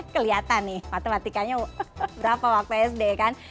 kelihatan nih matematikanya berapa waktu sd kan